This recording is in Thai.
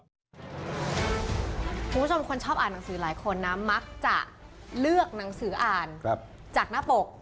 คุณผู้ชมคนชอบอ่านหนังสือหลายคนนะมักจะเลือกหนังสืออ่านจากหน้าปก